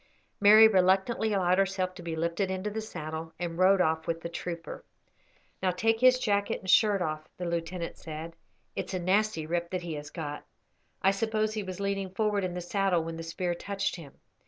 Mary reluctantly allowed herself to be lifted into the saddle, and rode off with the trooper. "Now take his jacket and shirt off," the lieutenant said, "it's a nasty rip that he has got. I suppose he was leaning forward in the saddle when the spear touched him.